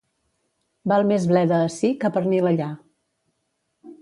Val més bleda ací que pernil allà.